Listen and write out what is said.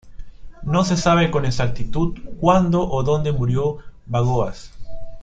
No se sabe con exactitud cuándo o dónde murió Bagoas.